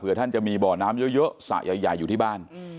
เพื่อท่านจะมีบ่อน้ำเยอะสระใหญ่อยู่ที่บ้าน